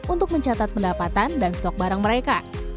untuk mencatat pendapatan dan stok barang mereka